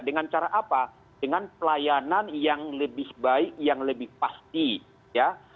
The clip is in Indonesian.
dengan cara apa dengan pelayanan yang lebih baik yang lebih pasti ya